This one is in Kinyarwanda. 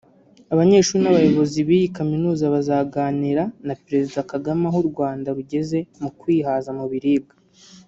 Abanyeshuri n’abayobozi b’iyi Kaminuza bazaganira na Perezida Kagame aho u Rwanda rugeze mu kwihaza mu biribwa